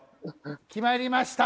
決まりました。